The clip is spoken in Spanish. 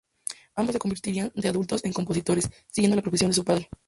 Ambos se convertirían de adultos en compositores, siguiendo la profesión de su padre.